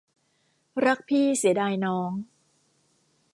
รักพี่เสียดายน้อง